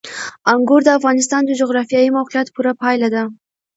انګور د افغانستان د جغرافیایي موقیعت پوره پایله ده.